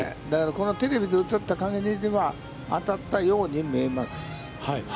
このテレビで写ったかげんで行けば、当たったように見えます。